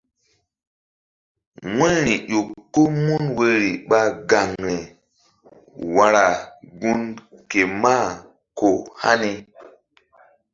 Wu̧yri ƴo ko mun woyri ɓa gaŋri wara gun ke mah ko hani.